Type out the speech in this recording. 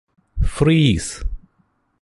freeze